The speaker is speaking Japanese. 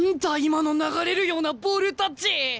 今の流れるようなボールタッチ。